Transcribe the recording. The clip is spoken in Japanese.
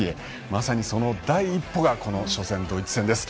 まさにその第一歩がこの初戦のドイツ戦です。